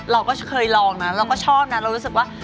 เราก็เคยลองนะเราก็ชอบนะเรารู้สึกว่า